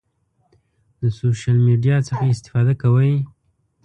د سوشل میډیا څخه استفاده کوئ؟